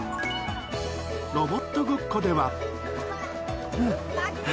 ロボットごっこでは。